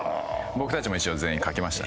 僕たちも一応全員描きました。